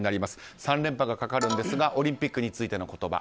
３連覇がかかるんですがオリンピックについての言葉。